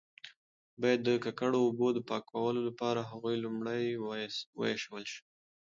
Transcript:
باید د ککړو اوبو د پاکولو لپاره هغوی لومړی وایشول شي.